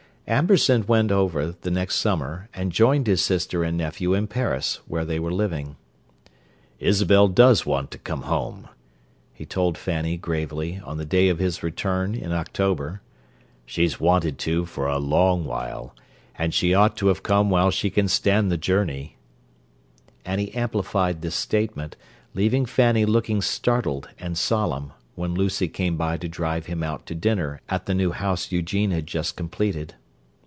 Amberson went over, the next summer, and joined his sister and nephew in Paris, where they were living. "Isabel does want to come home," he told Fanny gravely, on the day of his return, in October. "She's wanted to for a long while—and she ought to come while she can stand the journey—" And he amplified this statement, leaving Fanny looking startled and solemn when Lucy came by to drive him out to dinner at the new house Eugene had just completed.